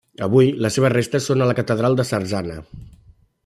Avui, les seves restes són a la catedral de Sarzana.